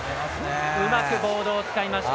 うまくボードを使いました。